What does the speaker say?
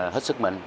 hết sức mình